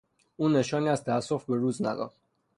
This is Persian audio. او نشانی از تاسف بروز نداد.